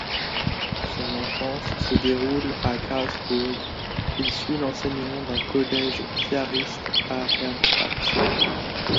Son enfance se déroule à Karlsburg, il suit l’enseignement d'un collège piariste à Hermannstadt.